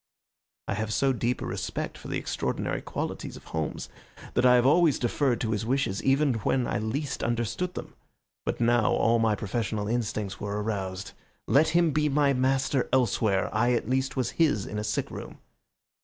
I have so deep a respect for the extraordinary qualities of Holmes that I have always deferred to his wishes, even when I least understood them. But now all my professional instincts were aroused. Let him be my master elsewhere, I at least was his in a sick room.